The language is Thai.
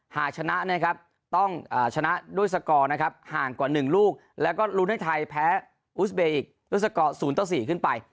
หากชนะนะครับต้องชนะด้วยสกอร์นะครับห่างกว่า๑ลูกแล้วก็ลุ้นให้ไทยแพ้อุสเบย์อีกด้วยสกอร์๐ต่อ๔ขึ้นไป